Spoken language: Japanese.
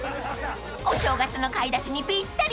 ［お正月の買い出しにぴったり！